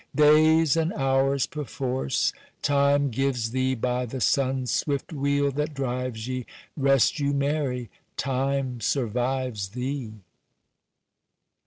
"Days and hours, perforce, Time gives thee By the sun's swift wheel that drives ye, Rest you merry! Time survives Thee."